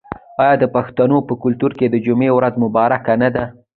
آیا د پښتنو په کلتور کې د جمعې ورځ مبارکه نه ده؟